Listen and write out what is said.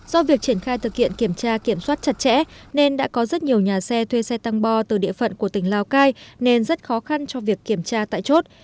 do việc triển khai thực hiện kiểm tra kiểm soát chặt chẽ nên đã có rất nhiều nhà xe thuê xe tăng bo từ địa phận của tỉnh lào cai nên rất khó khăn cho việc kiểm tra tại chốt